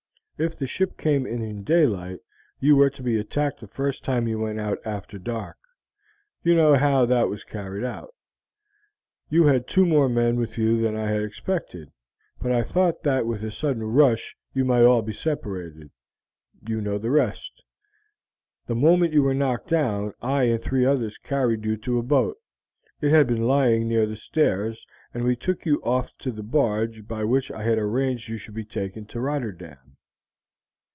If the ship came in in daylight you were to be attacked the first time you went out after dark. You know how that was carried out. You had two more men with you than I had expected; but I thought that with a sudden rush you might all be separated. You know the rest. The moment you were knocked down I and three others carried you to a boat. It had been lying near the stairs, and we took you off to the barge in which I had arranged you should be taken to Rotterdam.